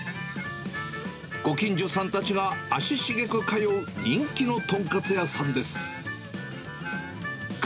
ご近所さんたちが足しげく通う人気の豚カツ屋さんです。